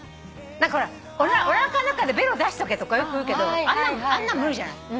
何かほらおなかの中でベロ出しとけとかよく言うけどあんなん無理じゃない。